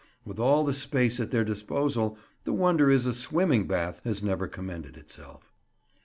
With all the space at their disposal the wonder is a swimming bath has never commended itself.